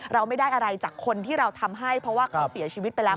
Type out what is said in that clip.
เราไม่ได้อะไรจากคนที่เราทำให้เพราะว่าเขาเสียชีวิตไปแล้ว